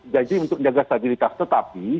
jadi untuk menjaga stabilitas tetapi